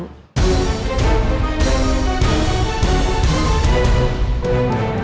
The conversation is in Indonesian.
saya mau ke rumah sakit